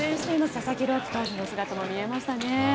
佐々木朗希投手の姿も見えました。